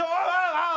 ああ。